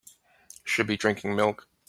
Should be drinking milk.